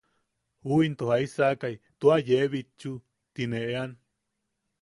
U into “¿jaisakai tua yee bitchu?” tine eʼean.